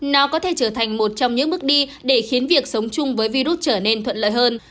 nó có thể trở thành một trong những bước đi để khiến việc sống chung với virus trở nên thuận lợi hơn